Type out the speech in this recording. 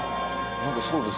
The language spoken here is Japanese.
何かそうですね。